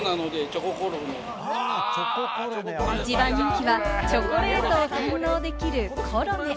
一番人気はチョコレートを堪能できるコロネ。